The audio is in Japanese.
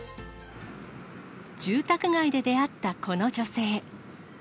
住宅街で出会ったこの女性。